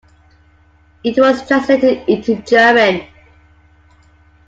It was translated into German.